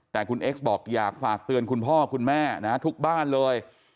แต่คุณเอ็กซ์บอกอยากฝากเตือนคุณพ่อคุณแม่นะทุกบ้านเลย